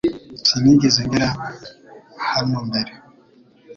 Sinigeze ngera hano mbere .